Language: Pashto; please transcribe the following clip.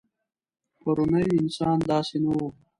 پروني انسان داسې نه و.